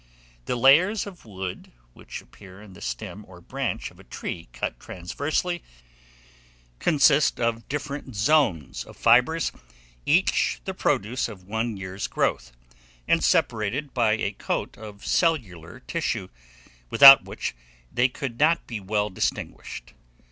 The layers of wood, which appear in the stem or branch of a tree cut transversely, consist of different zones of fibres, each the produce of one year's growth, and separated by a coat of cellular tissue, without which they could not be well distinguished.